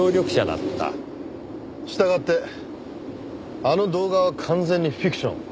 従ってあの動画は完全にフィクション。